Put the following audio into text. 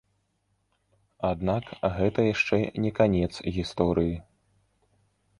Аднак гэта яшчэ не канец гісторыі.